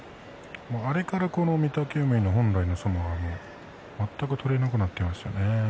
あれから御嶽海の本来の相撲が全く取れなくなっていましたね。